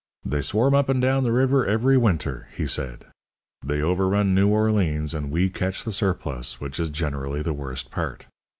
"They swarm up and down the river every winter," he said. "They overrun New Orleans, and we catch the surplus, which is generally the worst part.